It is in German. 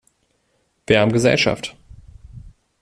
Wir haben Gesellschaft!